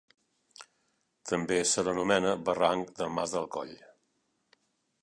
També se l'anomena Barranc del Mas del Coll.